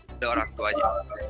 ada orang tuanya